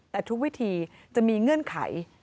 แต่ทุกวิธีจะมีเงื่อนไข